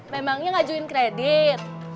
memangnya ngajuin kredit